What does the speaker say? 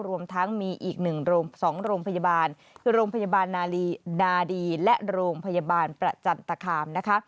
รวมทั้งมีอีก๑๒โรงพยาบาลคือโรงพยาบาลนาดีและโรงพยาบาลประจันตคามนะคะ